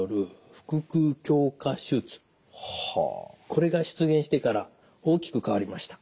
これが出現してから大きく変わりました。